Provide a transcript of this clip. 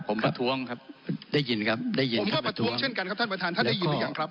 ผมประท้วงครับได้ยินครับได้ยินผมก็ประท้วงเช่นกันครับท่านประธานท่านได้ยินหรือยังครับ